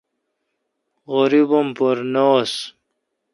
غریب ام پر نہ ہنس۔